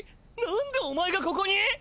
何でお前がここに？